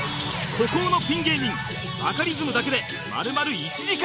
孤高のピン芸人バカリズムだけで丸々１時間